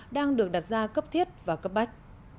đang được đặt ra cấp thiết và cấp bách